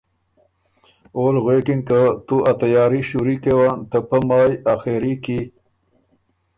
اول ګۀ غوېکِن که ”تُو ا تیاري شُوری کېون ته پۀ مایٛ اخېري کی